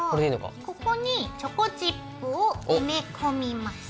ここにチョコチップを埋め込みます。